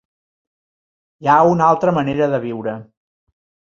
Hi ha una altra manera de viure.